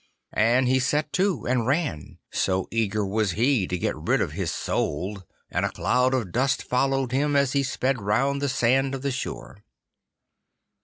And he set to and ran, so eager was he to get rid of his soul, and a cloud of dust followed him as he sped round the sand of the shore.